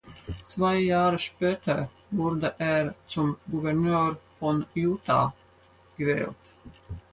Zwei Jahre später wurde er zum Gouverneur von Utah gewählt.